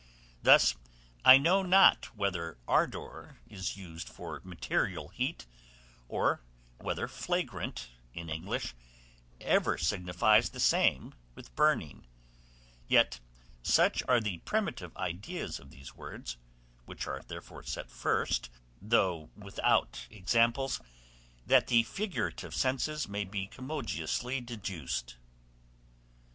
Thus I know not whether ardor is used for material heat, or whether flagrant, in English, ever signifies the same with burning; yet such are the primitive ideas of these words, which are therefore set first, though without examples, that the figurative senses may be commodiously deduced.